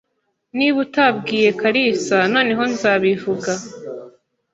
Niba utabwiye kalisa, noneho nzabivuga.